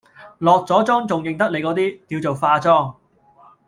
落咗妝仲認得你嗰啲，叫做化妝